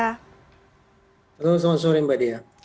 halo selamat sore mbak dea